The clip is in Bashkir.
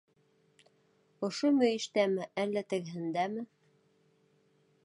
Ошо мөйөштәме, әллә тегеһендәме?